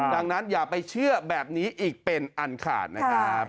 ดังนั้นอย่าไปเชื่อแบบนี้อีกเป็นอันขาดนะครับ